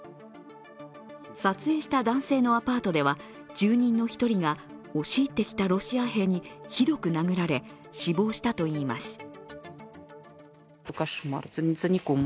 撮影した男性のアパートでは、住人の１人が押し入ってきたロシア兵にひどく殴られ死亡したといいます。